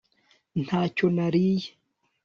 ntacyo nariye